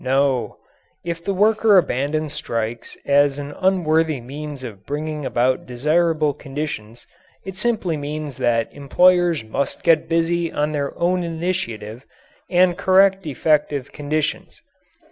No! If the worker abandons strikes as an unworthy means of bringing about desirable conditions, it simply means that employers must get busy on their own initiative and correct defective conditions.